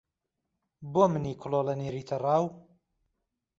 بۆ منی کڵۆڵ ئەنێریتە ڕاو